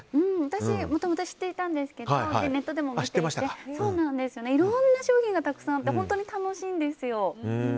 私、もともと知っていたんですけどネットでも見ていていろんな商品がたくさんあって本当に楽しいんですよ。